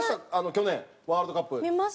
去年ワールドカップ。